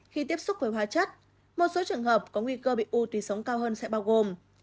khi tiếp xúc với hóa chất một số trường hợp có nguy cơ bị u tùy sống cao hơn sẽ bao gồm